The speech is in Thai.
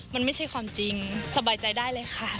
มันไม่ใช่ความจริงสบายใจได้เลยค่ะ